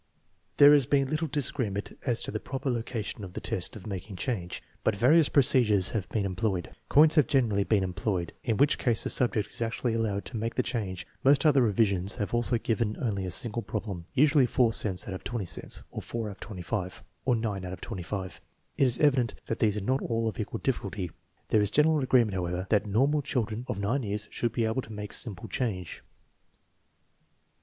There has been little disagreement as to the proper loca 242 THE MEASUREMENT OF INTELLIGENCE tion of the test of making change, but various procedures have been employed. Coins have generally been employed, in which case the subject is actually allowed to make the change. Most other revisions have also given only a single problem, usually 4 cents out of 20 cents, or 4 out of 25, or 9 out of 25. It is evident that these are not all of equal difficulty. There is general agreement, however, that normal children of 9 years should be able to make simple change.